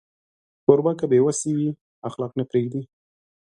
کوربه که بې وسی وي، اخلاق نه پرېږدي.